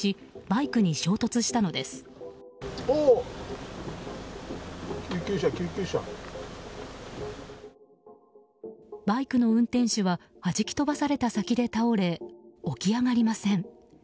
バイクの運転手ははじき飛ばされた先で倒れ起き上がりません。